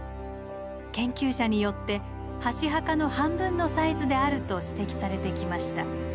研究者によって箸墓の半分のサイズであると指摘されてきました。